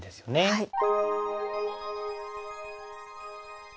はい。